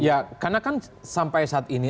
ya karena kan sampai saat ini